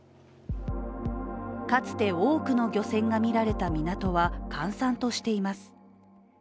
かつて多くの漁船がみられた港は閑散としています。